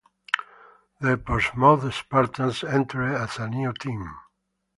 The Portsmouth Spartans entered as a new team.